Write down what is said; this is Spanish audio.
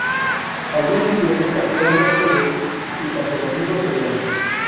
Al día siguiente capturan Mercedes y Santo Domingo Soriano.